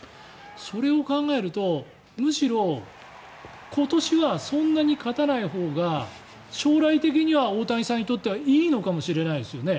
それを考えるとむしろ、今年はそんなに勝たないほうが将来的には大谷さんにとってはいいのかもしれないですよね？